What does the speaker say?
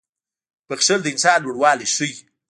• بښل د انسان لوړوالی ښيي.